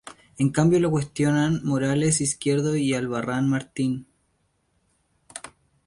En cambio lo cuestionan Morales Izquierdo y Albarrán Martín.